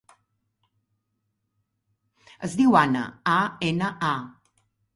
Es diu Ana: a, ena, a.